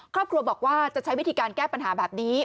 ครอบครัวบอกว่าจะใช้วิธีการแก้ปัญหาแบบนี้